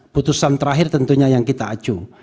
putusan terakhir tentunya yang kita acu